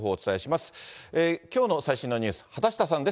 ーきょうの最新のニュース、畑下さんです。